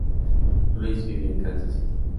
Luis vive en "Kansas City".